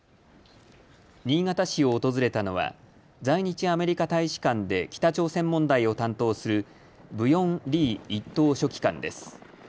新潟市を訪れたのは在日アメリカ大使館で北朝鮮問題を担当するブヨン・リー一等書記官です。